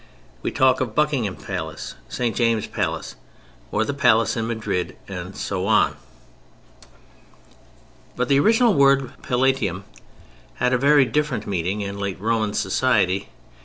We talk of Buckingham Palace, St. James' Palace, the Palace in Madrid, and so on. But the original word Palatium had a very different meaning in late Roman society.